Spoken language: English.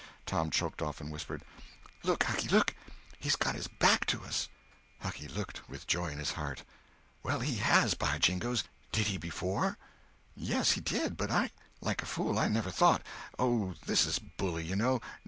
Tom choked off and whispered: "Look, Hucky, look! He's got his back to us!" Hucky looked, with joy in his heart. "Well, he has, by jingoes! Did he before?" "Yes, he did. But I, like a fool, never thought. Oh, this is bully, you know.